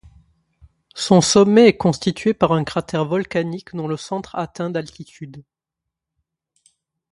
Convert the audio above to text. Son sommet est constitué par un cratère volcanique dont le centre atteint d'altitude.